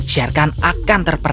sherkan akan terpenuhi